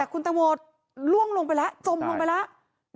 คุณตังโมล่วงลงไปแล้วจมลงไปแล้ว